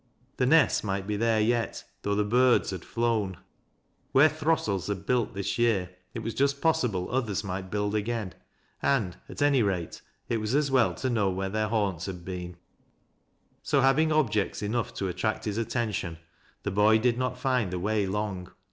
The nests might be there yet, though the birds had flown. Where throstles liad built this year, it was just possible others might build again, and, at any rate, it was as well to know where theii liaauta had been. So, having objects enough to attract liis attention, the boy did not find the way long.